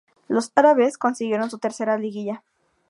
Los "árabes" consiguieron su tercera liguilla.